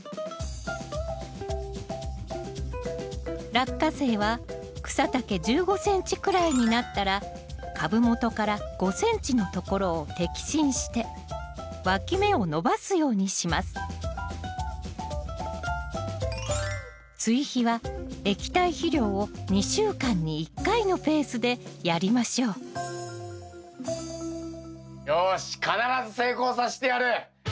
ラッカセイは草丈１５ｃｍくらいになったら株元から５ｃｍのところを摘心してわき芽を伸ばすようにしますのペースでやりましょうよし必ず成功さしてやる！